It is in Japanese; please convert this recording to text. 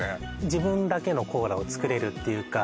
自分だけのコーラを作れるっていうか